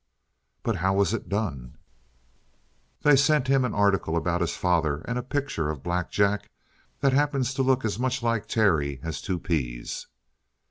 "But how was it done?" "They sent him an article about his father and a picture of Black Jack that happens to look as much like Terry as two peas."